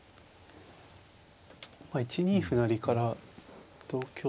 １二歩成から同香同香成